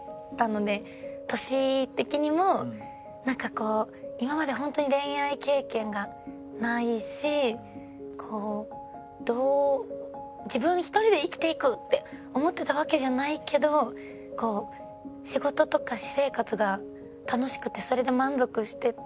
年的にもなんかこう今まで本当に恋愛経験がないしどう自分一人で生きていくって思ってたわけじゃないけどこう仕事とか私生活が楽しくてそれで満足してたから。